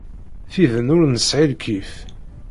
Tiden ur nesɛi lkif.